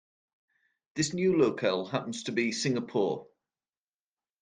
This new locale happens to be Singapore.